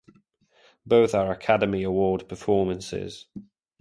Both are Academy Award performances.